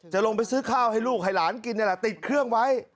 จะลงไปซื้อข้าวให้ลูกให้หลานกินติดเครื่องไว้